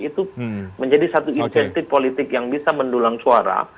itu menjadi satu insentif politik yang bisa mendulang suara